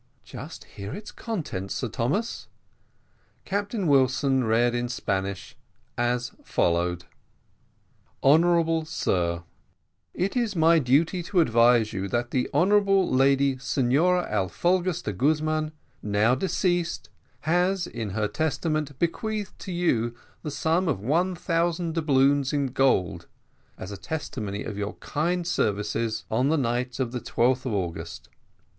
"Just hear its contents, Sir Thomas." Captain Wilson then read in Spanish as follows: "HONOURABLE SIR: "It is my duty to advise you that the Honourable Lady Signora Alforgas de Guzman, now deceased, has, in her testament, bequeathed to you the sum of one thousand doubloons in gold as a testimony of your kind services on the night of the 12th of August.